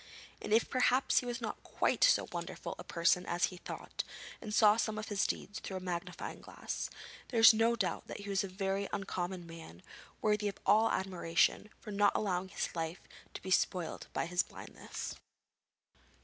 And if perhaps he was not quite so wonderful a person as he thought, and saw some of his deeds through a magnifying glass, there is no doubt that he was a very uncommon man, worthy of all admiration for not allowing his life to be spoilt by his blindness.